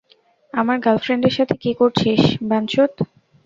আমার গার্লফ্রেন্ডের সাথে কী করছিস, বাঞ্চোত?